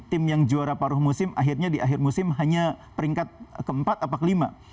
tim yang juara paruh musim akhirnya di akhir musim hanya peringkat keempat atau kelima